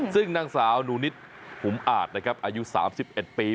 ซึ่งนางสาวหนูนิดหุมอาจนะครับอายุ๓๑ปี